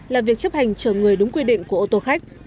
là việc chấp hành chở người đúng quy định của ô tô khách